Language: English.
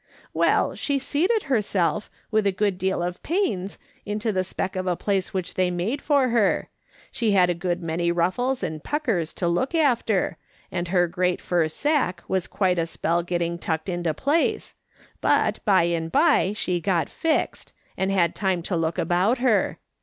" "Well, she settled herself, with a good deal of pains, into the speck of a place which they made for her; she had a good many ruffles and puckers to look after, and her great fur sack was quite a spell getting tucked into place, but by and by she got fixed, and had time to look about her.